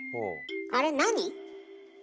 あれ何？